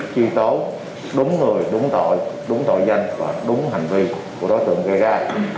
truy tố đúng người đúng tội đúng tội danh và đúng hành vi của đối tượng gây ra